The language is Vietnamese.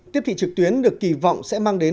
tiết tị trực tuyến được kỳ vọng sẽ mang đến